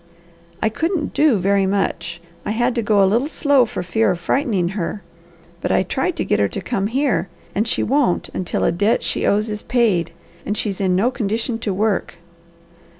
"I couldn't do so very much. I had to go a little slow for fear of frightening her, but I tried to get her to come here and she won't until a debt she owes is paid, and she's in no condition to work."